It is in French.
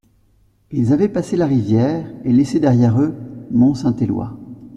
Ils avaient passé la rivière et laissé derrière eux Mont-Saint-Éloy.